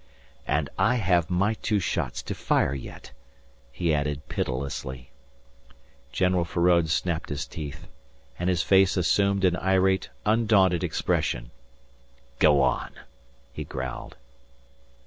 "And I have my two shots to fire yet," he added pitilessly. General Feraud snapped his teeth, and his face assumed an irate, undaunted expression. "Go on," he growled.